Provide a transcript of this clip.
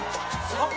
あっ！